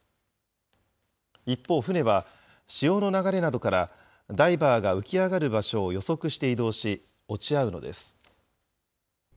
一方、船は潮の流れなどから、ダイバーが浮き上がる場所を予測して移動し、落ち合うのです。